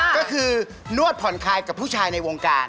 ก็คือนวดผ่อนคลายกับผู้ชายในวงการ